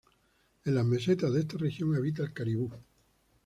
En las mesetas de esta región habita el caribú.